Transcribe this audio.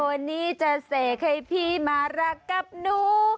วันนี้จะเสกให้พี่มารักกับหนู